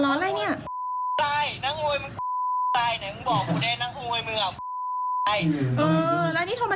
มีอะไรอีกไหมอ่ะ